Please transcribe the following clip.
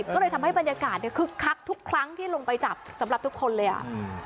๕๐๕๐ก็เลยทำให้บรรยากาศคักทุกครั้งที่ลงไปจับสำหรับทุกคนเลยอะ